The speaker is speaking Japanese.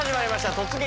「突撃！